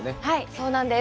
そうなんです？